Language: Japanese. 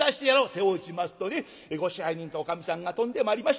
手を打ちますとねご支配人とおかみさんが飛んでまいりまして。